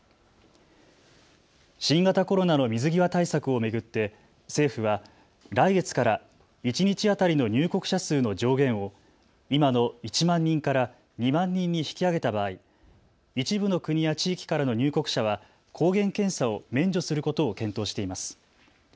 新型コロナの水際対策を巡って政府は来月から一日当たりの入国者数の上限を今の１万人から２万人に引き上げた場合、一部の国や地域からの入国者は抗原検査を免除することを検討しています。